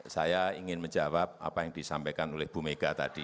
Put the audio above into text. saya ingin menjawab apa yang disampaikan oleh bu mega tadi